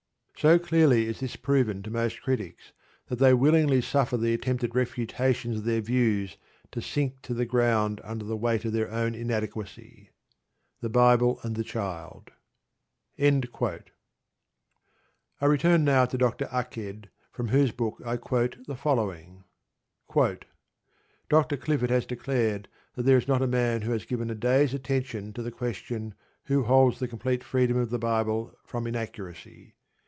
So clearly is this proven to most critics, that they willingly suffer the attempted refutations of their views to sink to the ground under the weight of their own inadequacy. (The Bible and the Child.) I return now to Dr. Aked, from whose book I quote the following: Dr. Clifford has declared that there is not a man who has given a day's attention to the question who holds the complete freedom of the Bible from inaccuracy.